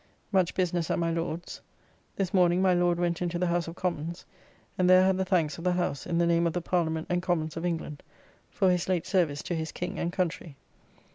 Much business at my Lord's. This morning my Lord went into the House of Commons, and there had the thanks of the House, in the name of the Parliament and Commons of England, for his late service to his King and Country.